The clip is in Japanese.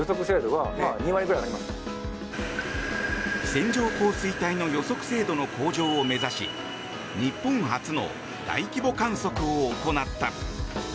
線状降水帯の予測精度の向上を目指し日本初の大規模観測を行った。